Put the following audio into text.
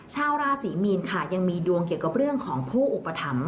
ชาวราศรีมีนค่ะยังมีดวงเกี่ยวกับเรื่องของผู้อุปถัมภ